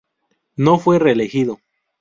No fue reelegido.